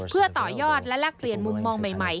เพื่อต่อยอดและแลกเปลี่ยนมุมมองใหม่